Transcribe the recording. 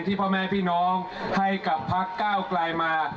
พ่อแม่พี่น้องให้กับพักก้าวไกลมา